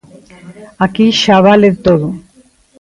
Aquí xa vale todo.